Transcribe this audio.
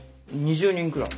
２０人くらい。